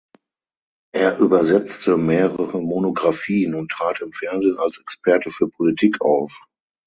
Er übersetzte mehrere Monographien und trat im Fernsehen als Experte für Politik auf.